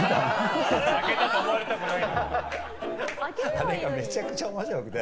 あれがめちゃくちゃ面白くて。